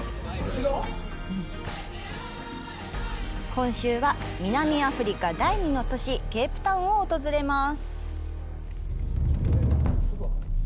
今週は、南アフリカ第２の都市、ケープタウンを訪れます。